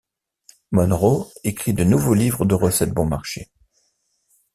Monroe écrit de nouveaux livres de recettes bon marché.